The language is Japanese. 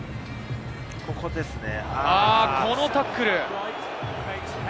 このタックル。